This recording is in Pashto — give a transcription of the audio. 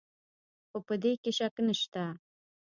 خو په دې کې شک نشته.